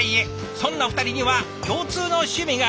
そんな２人には共通の趣味がある。